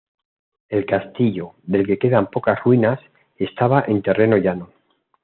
El castillo, del que quedan pocas ruinas, estaba en terreno llano.